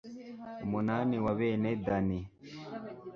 umunani wa bene dani